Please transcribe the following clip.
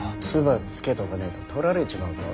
唾つけとかねえと取られちまうぞ。